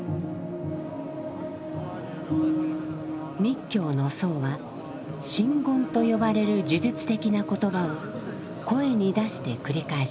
密教の僧は真言と呼ばれる呪術的な言葉を声に出して繰り返します。